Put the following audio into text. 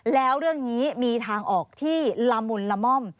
แล้วเรื่องนี้มีทางออกที่ละมุนละม่อม